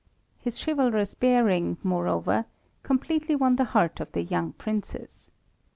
His chivalrous bearing, moreover, completely won the heart of the young princess.